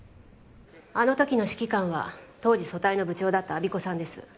あの時の指揮官は当時組対の部長だった我孫子さんです